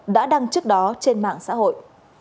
đã đăng trước đó trên mạng xã hội